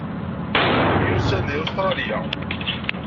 Nemyussan deg Ustṛalya.